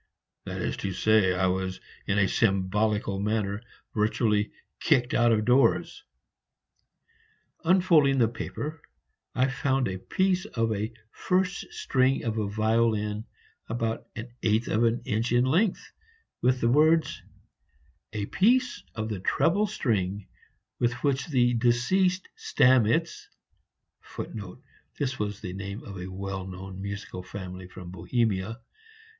That is to say, I was in a symbolical manner virtually kicked out of doors. Unfolding the paper, I found a piece of a first string of a violin about an eighth of an inch in length, with the words, "A piece of the treble string with which the deceased Stamitz [Footnote: This was the name of a well known musical family from Bohemia.